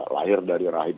lahir dari rahim